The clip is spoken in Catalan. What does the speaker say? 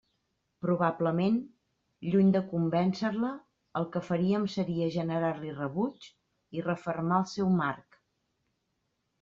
Probablement, lluny de convéncer-la el que faríem seria generar-li rebuig i refermar el seu marc.